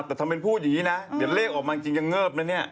แต่ทำเป็นพูดอย่างนี้นะเดี๋ยวเลขออกมาจริงยังเงิบนะเนี่ย